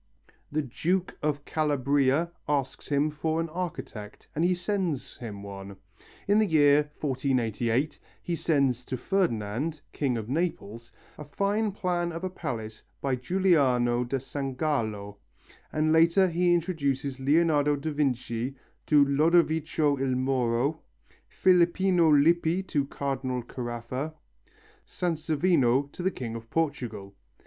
The Duke of Calabria asks him for an architect, and he sends him one; in the year 1488 he sends to Ferdinand, king of Naples, a fine plan of a palace by Giuliano da Sangallo, and later he introduces Leonardo da Vinci to Lodovico il Moro, Filippino Lippi to Cardinal Carafa, Sansovino to the king of Portugal.